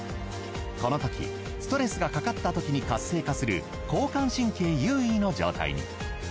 このときストレスがかかったときに活性化する交感神経優位の状態に。